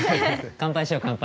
乾杯しよ乾杯。